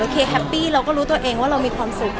ูไม่สบายเราก็รู้ตัวเองว่าเรามีความสุข